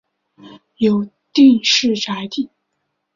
由进士擢第。